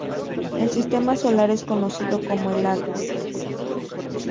El sistema solar es conocido como el Árbol.